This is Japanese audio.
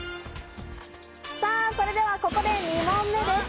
さぁ、それではここで２問目です。